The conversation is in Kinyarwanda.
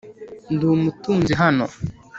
Ndi umutunzi hano